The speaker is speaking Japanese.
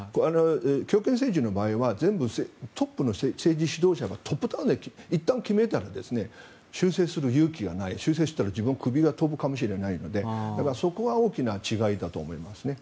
強権政治の場合はトップの政治指導者がトップダウンでいったん決めたら修正する勇気がない修正したら自分の首が飛ぶかもしれないのでそこは大きな違いだと思います。